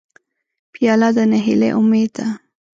پیاله د نهیلۍ امید ده.